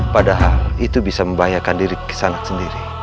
padahal itu bisa membahayakan diri kisanak sendiri